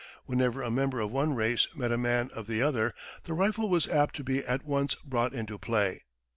Whenever a member of one race met a man of the other the rifle was apt to be at once brought into play.